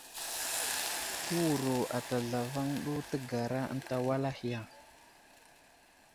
Təwuro ata zlavaŋ ɗu təgara ənta wal ahe ya ?